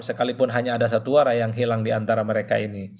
sekalipun hanya ada satu arah yang hilang diantara mereka ini